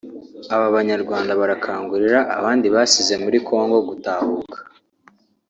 Aba Banyarwanda barakangurira abandi basize muri Congo gutahuka